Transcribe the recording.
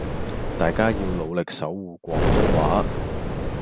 大家要努力守謢廣東話